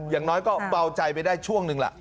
อย่างน้อยก็เบาใจไปได้ช่วงหนึ่งล่ะ